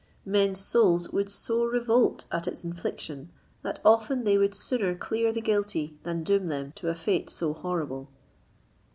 Men's souls would so revolt at its infliction, that often they would sooner clear the guilty than doom them to a fate so horrible.